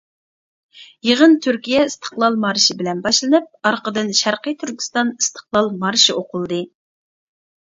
يىغىن تۈركىيە ئىستىقلال مارشى بىلەن باشلىنىپ ، ئارقىدىن شەرقىي تۈركىستان ئىستىقلال مارشى ئۇقۇلدى.